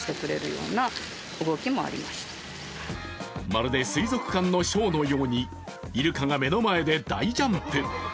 まるで水族館のショーのようにイルカが目の前で大ジャンプ。